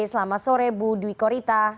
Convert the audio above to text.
selamat sore bu dwi korita